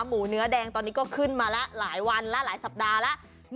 หมูเนื้อแดงตอนนี้ก็ขึ้นมาแล้วหลายวันแล้วหลายสัปดาห์แล้ว